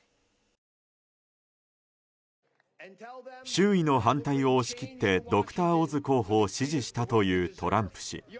周囲の反対を押し切ってドクター・オズ候補を支持したというトランプ氏。